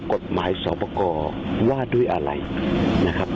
กฎหมายสอบประกอบว่าด้วยอะไรนะครับ